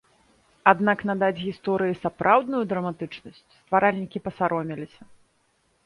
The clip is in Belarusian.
Аднак надаць гісторыі сапраўдную драматычнасць стваральнікі пасаромеліся.